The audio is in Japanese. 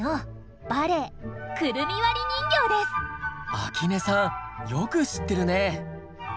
秋音さんよく知ってるね。